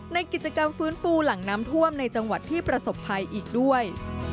ในกิจกรรมฟื้นฟูหลังน้ำท่วมในจังหวัดที่ประสบภัยอีกด้วย